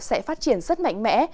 sẽ phát triển rất mạnh mẽ